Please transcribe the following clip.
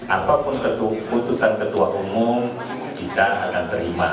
apapun keputusan ketua umum kita akan terima